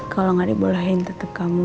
kalau gak dibolehin tetap kamu